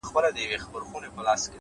هره تجربه نوی لیدلوری بښي’